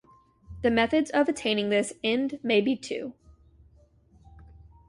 The methods of attaining this end may be two.